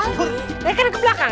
nih bantuan itu kan ke belakang